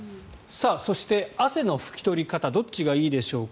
そして、汗の拭き取り方どっちがいいでしょうか。